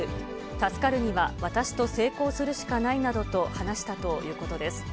助かるには私と性交するしかないなどと話したということです。